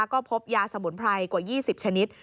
ก็พบยาสมุนไพรกว่า๒๐ชนิด